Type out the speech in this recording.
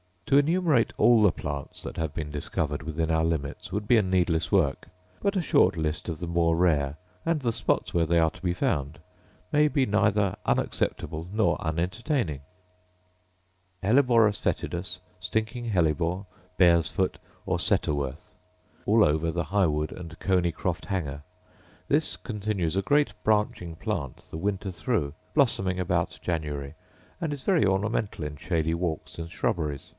To enumerate all the plants that have been discovered within our limits would be a needless work; but a short list of the more rare, and the spots where they are to be found, may be neither unacceptable nor unentertaining: Helleborus foetidus, stinking hellebore, bear's foot, or setterworth, — all over the High wood and Coney croft hanger: this continues a great branching plant the winter through, blossoming about January, and is very ornamental in shady walks and shrubberies.